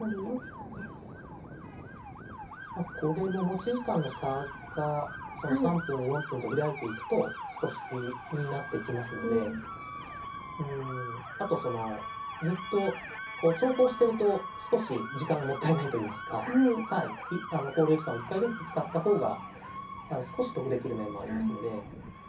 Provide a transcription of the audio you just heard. まあこれも持ち時間の差が３分４分と開いていくと少し気になってきますのでうんあとそのずっと長考してると少し時間がもったいないといいますか考慮時間を１回ずつ使った方が少し得できる面もありますので。